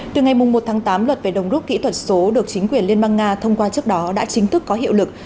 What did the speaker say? từ ngày một tháng tám luật về đồng rút kỹ thuật số được chính quyền liên bang nga thông qua trước đó đã chính thức có hiệu lực